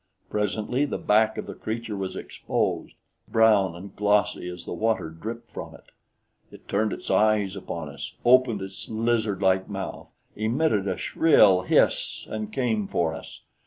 Presently the back of the creature was exposed, brown and glossy as the water dripped from it. It turned its eyes upon us, opened its lizard like mouth, emitted a shrill hiss and came for us.